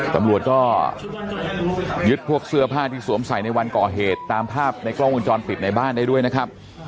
ตำรวจก็ยึดพวกเสื้อผ้าที่สวมใส่ในวันก่อเหตุตามภาพในกล้องวงจรปิดในบ้านได้ด้วยนะครับ